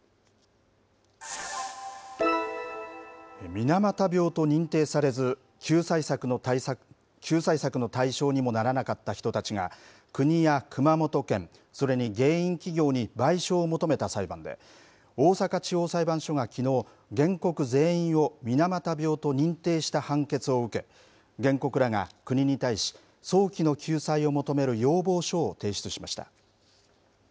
水俣病と認定されず救済策の対象にならなかった人たちが国や熊本県、それに原因企業に賠償を求めた裁判で大阪地方裁判所がきのう原告全員を水俣病と認定した判決を受け原告らが国に対し早期の救済を求める要望書を提出しました。